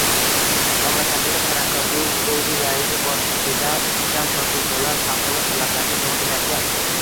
Mamlakatimiz taraqqiyotining bugungi yangi bosqichida ixcham, professional, xalqimiz talablariga javob beradigan